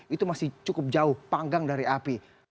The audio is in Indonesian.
itu masih cukup jauh panggang dari api